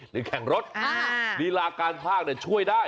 เป็นแข่งรถธีระการภาคช่วยได้